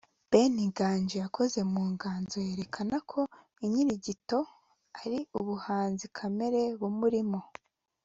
Ben Nganji yakoze mu nganzo yerekana ko ‘Inkirigito’ ari ubuhanzi kamere bumurimo